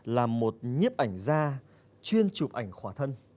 là một nhiếp ảnh gia chuyên chụp ảnh khỏa thân